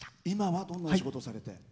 今はどんなお仕事されて？